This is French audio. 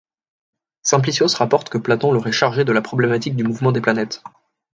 Simplicios rapporte que Platon l'aurait chargé de la problématique du mouvement des planètes.